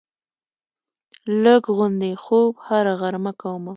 لږ غوندې خوب هره غرمه کومه